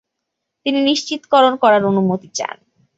তিনি নিশ্চিতকরণ করার অনুমতি চান।